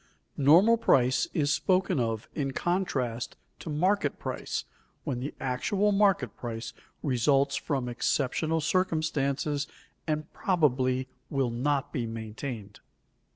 _Normal price is spoken of in contrast to market price when the actual market price results from exceptional circumstances and probably will not be maintained.